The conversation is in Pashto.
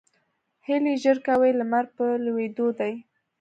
هلئ ژر کوئ ! لمر په لوېدو دی